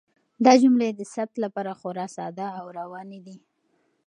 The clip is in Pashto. دا جملې د ثبت لپاره خورا ساده او روانې دي.